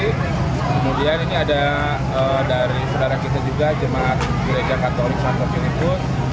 kemudian ini ada dari saudara kita juga jemaat gereja katolik santos unit